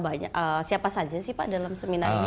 banyak siapa saja sih pak dalam seminar ini